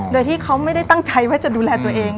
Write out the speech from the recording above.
โดยที่เขาไม่ได้ตั้งใจว่าจะดูแลตัวเอง